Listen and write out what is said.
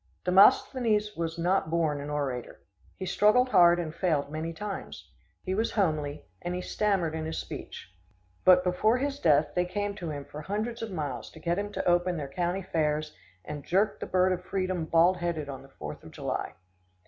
Demosthenes was not born an orator. He struggled hard and failed many times. He was homely, and he stammered in his speech; but before his death they came to him for hundreds of miles to get him to open their county fairs and jerk the bird of freedom bald headed on the Fourth of July.